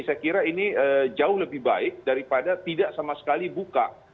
saya kira ini jauh lebih baik daripada tidak sama sekali buka